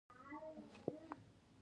بانکونه او صنعتي شرکتونه د دوی دي